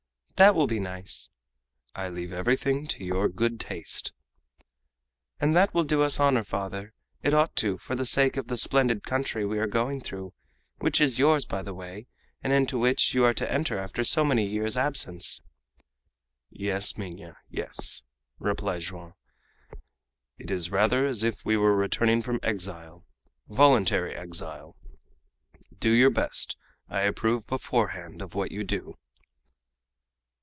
"That will be nice!" "I leave everything to your good taste." "And that will do us honor, father. It ought to, for the sake of the splendid country we are going through which is yours, by the way, and into which you are to enter after so many years' absence." "Yes, Minha; yes," replied Joam. "It is rather as if we were returning from exile voluntary exile! Do your best; I approve beforehand of what you do."